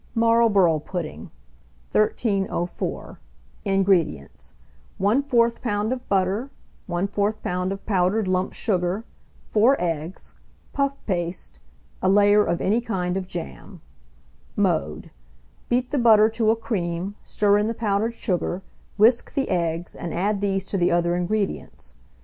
MARLBOROUGH PUDDING. 1304. INGREDIENTS. 1/4 lb. of butter, 1/4 lb. of powdered lump sugar, 4 eggs, puff paste, a layer of any kind of jam. Mode. Beat the butter to a cream, stir in the powdered sugar, whisk the eggs, and add these to the other ingredients.